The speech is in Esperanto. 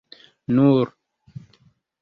nur